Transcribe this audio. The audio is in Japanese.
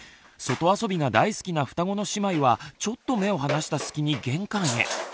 外遊びが大好きな双子の姉妹はちょっと目を離した隙に玄関へ。